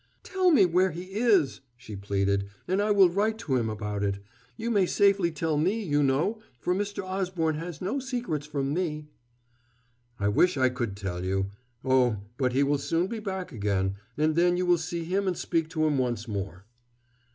"Tell me where he is," she pleaded, "and I will write to him about it. You may safely tell me, you know, for Mr. Osborne has no secrets from me." "I wish I could tell you.... Oh, but he will soon be back again, and then you will see him and speak to him once more."